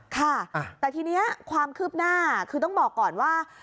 ค่ะแต่ทีนี้ความคืบหน้าคือต้องบอกก่อนว่า